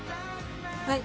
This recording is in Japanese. はい。